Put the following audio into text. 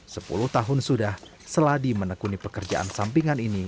sepuluh tahun sudah seladi menekuni pekerjaan sampingan ini